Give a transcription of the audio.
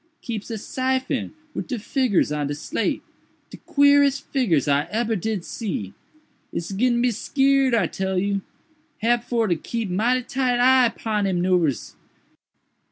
"Keeps a syphon wid de figgurs on de slate—de queerest figgurs I ebber did see. Ise gittin' to be skeered, I tell you. Hab for to keep mighty tight eye 'pon him 'noovers.